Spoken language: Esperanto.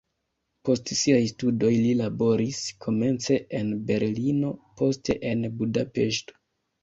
Post siaj studoj li laboris komence en Berlino, poste en Budapeŝto.